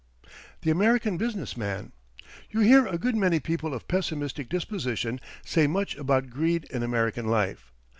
THE AMERICAN BUSINESS MAN You hear a good many people of pessimistic disposition say much about greed in American life.